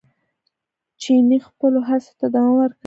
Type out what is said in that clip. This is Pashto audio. چیني خپلو هڅو ته دوام ورکړی دی.